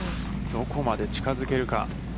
どこまで近づけるか。